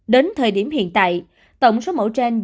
đến thời điểm hiện tại tổng số mẫu gen được tổ chức